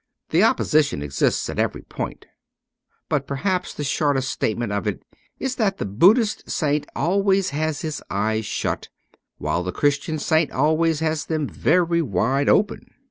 The opposition exists at every point ; but perhaps the shortest statement of it is that the Buddhist saint always has his eyes shut, while the Christian saint always has them very wide open.